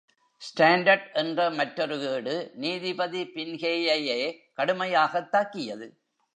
Standard என்ற மற்றொரு ஏடு, நீதிபதி பின்ஹேயையே கடுமையாகத் தாக்கியது.